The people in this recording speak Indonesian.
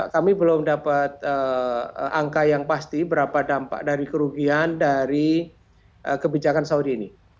kami belum dapat angka yang pasti berapa dampak dari kerugian dari kebijakan saudi ini